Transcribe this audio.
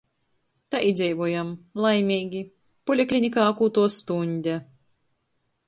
Tai i dzeivojam – laimeigi. Poliklinikā akutuo stuņde.